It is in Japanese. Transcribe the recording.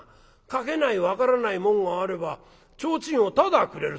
描けない分からない紋があれば提灯をただくれるそうだ」。